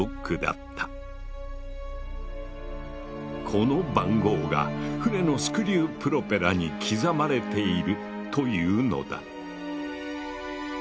この番号が船のスクリュープロペラに刻まれているというのだ。